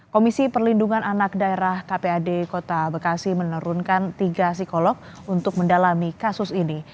komisi perlindungan anak daerah kpad kota bekasi menurunkan tiga psikolog untuk mendalami kasus ini